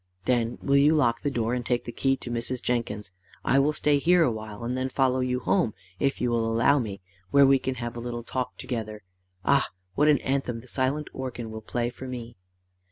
"Then will you lock the door, and take the key to Mrs. Jenkins. I will stay here a while, and then follow you home, if you will allow we, where we can have a little talk together. Ah, what an anthem the silent organ will play for me!"